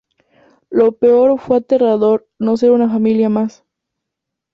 Lo peor fue aterrador no ser una familia más".